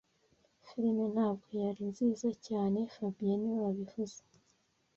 Filime ntabwo yari nziza cyane fabien niwe wabivuze